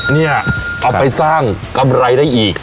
เนี่ยเอาไปสร้างกำไรได้อีก